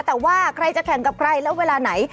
แต่ว่าใครจะแข่งกับใครแล้วเวลาไหน